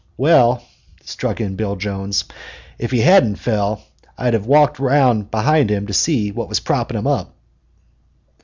"Well," struck in Bill Jones, "if he hadn't fell I'd have walked round behind him to see what was propping him up!"